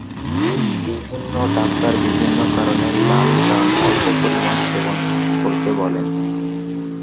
বিভিন্ন ডাক্তার বিভিন্ন কারণে লাল রাম অল্প পরিমান সেবন করতে বলেন।